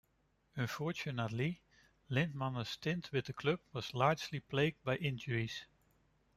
Unfortunately, Litmanen's stint with the club was largely plagued by injuries.